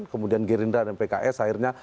kemudian gerindra dan pks akhirnya